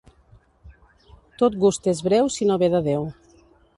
Tot gust és breu si no ve de Déu.